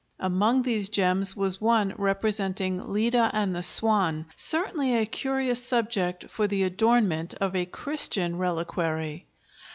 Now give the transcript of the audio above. Among these gems was one representing Leda and the Swan—certainly a curious subject for the adornment of a Christian reliquary.